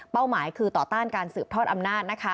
เป้าหมายคือต่อต้านการสืบทอดอำนาจนะคะ